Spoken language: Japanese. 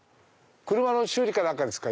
車の修理か何かですか？